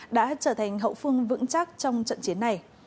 đã trở thành hậu phương vững chắc trong trận chiến này